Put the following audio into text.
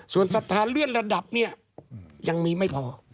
ส่วนศรัทธาเลื่อนระดับเนี่ยยังมีไม่พอ